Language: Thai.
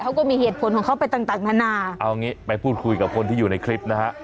เขาก็มีเหตุผลของเขาไปต่างต่างนานาเอางี้ไปพูดคุยกับคนที่อยู่ในคลิปนะฮะ